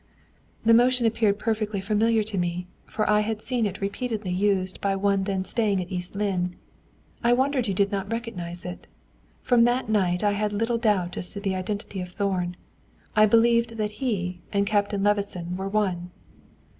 "The motion appeared perfectly familiar to me, for I had seen it repeatedly used by one then staying at East Lynne. I wondered you did not recognize it. From that night I had little doubt as to the identity of Thorn. I believed that he and Captain Levison were one."